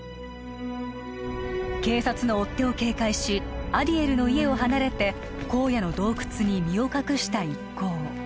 警察の追っ手を警戒しアディエルの家を離れて荒野の洞窟に身を隠した一行